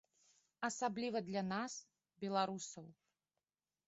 Асабліва для нас, беларусаў.